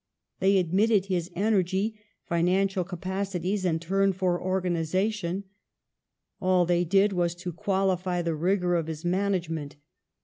They admitted his energy, finan cial capacities, and turn for organization. All they did was to qualify the rigor of his man 52 EMILY BRONTE. agement.